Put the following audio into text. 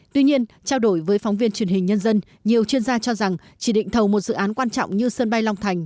tuy nhiên trao đổi với phóng viên truyền hình nhân dân nhiều chuyên gia cho rằng chỉ định thầu một dự án quan trọng như sân bay long thành